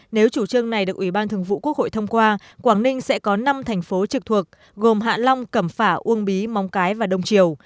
nếu chủ trương này được ủy ban thường vụ quốc hội thông qua quảng ninh sẽ có năm thành phố trực thuộc gồm hạ long cẩm phả uông bí mong cái và đông triều